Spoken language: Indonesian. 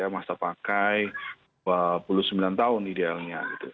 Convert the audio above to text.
masa pakai dua puluh sembilan tahun idealnya